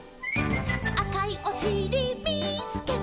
「あかいおしりみつけた」